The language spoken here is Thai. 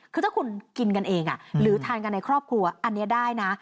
คือถ้าคุณกินกันเองหรือทานกันในครอบครัวอันนี้ได้นะ